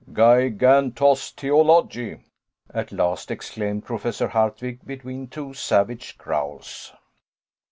"Gigantosteology!" at last exclaimed Professor Hardwigg between two savage growls.